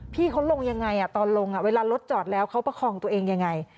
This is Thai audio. พี่เขาลงยังไงตอนลงเวลารถจอดแล้วเขาประคองตัวเองยังไง